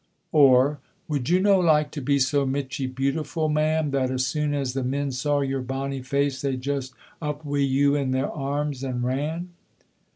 Or, "Would you no like to be so michty beautiful, ma'am, that as soon as the men saw your bonny face they just up wi' you in their arms and ran?"